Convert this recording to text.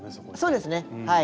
そうですねはい。